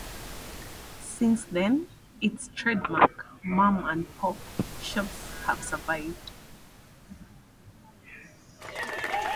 Since then, its trademark "mom-and-pop" shops have survived.